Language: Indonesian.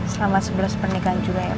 selamat sebelas pernikahan juga ya mas